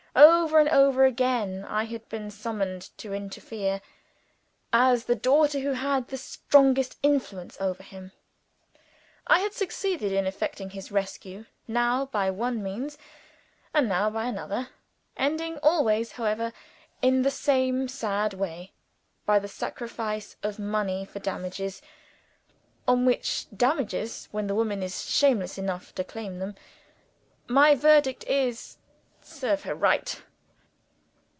Over and over again, I had been summoned to interfere, as the daughter who had the strongest influence over him. I had succeeded in effecting his rescue, now by one means, and now by another; ending always, however, in the same sad way, by the sacrifice of money for damages on which damages, when the woman is shameless enough to claim them, my verdict is, "Serve her right!"